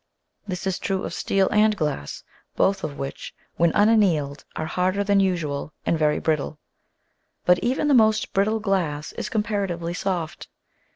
This is true of steel and glass, both of which when unannealed are harder than usual and very brittle. But even the most brittle glass is comparatively soft.